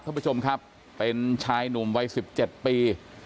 ท่านผู้ชมครับเป็นชายหนุ่มวัย๑๗ปี